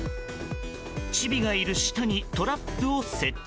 チビがいる下にトラップを設置。